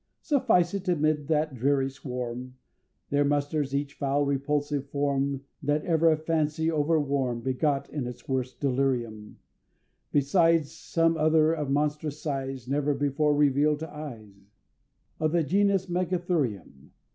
Suffice it, amid that dreary swarm, There musters each foul repulsive form That ever a fancy overwarm Begot in its worst delirium; Besides some others of monstrous size, Never before revealed to eyes, Of the genus Megatherium!